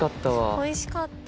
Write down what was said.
おいしかった。